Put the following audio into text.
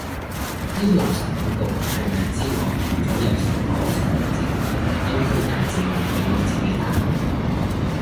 啲垃圾廣告係咪知我同左右手過情人節，特登推介正嘢俾我自己嘆